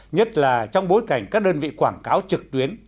nhất là trong bối cảnh các đơn vị quảng cáo trực tuyến